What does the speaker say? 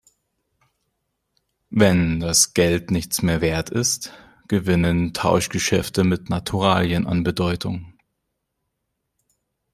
Wenn das Geld nichts mehr Wert ist, gewinnen Tauschgeschäfte mit Naturalien an Bedeutung.